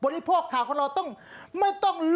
สวัสดีค่ะต่างทุกคน